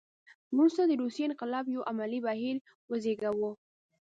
وروسته د روسیې انقلاب یو عملي بهیر وزېږاوه.